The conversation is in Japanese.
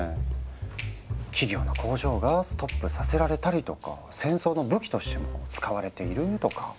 企業の工場がストップさせられたりとか戦争の武器としても使われているとか。